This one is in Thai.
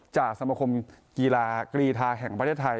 สมคมกีฬากรีธาแห่งประเทศไทย